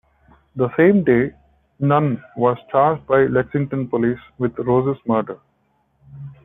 The same day, Nunn was charged by Lexington police with Ross's murder.